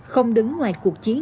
không đứng ngoài cuộc chiến